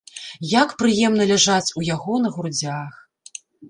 Як прыемна ляжаць у яго на грудзях!